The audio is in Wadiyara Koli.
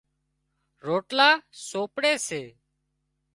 روٽلا سوپڙي سي